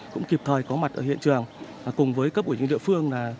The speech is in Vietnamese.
cũng kịp thời có mặt ở hiện trường cùng với cấp ủy chính địa phương